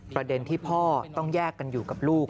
ประเด็นที่พ่อต้องแยกกันอยู่กับลูก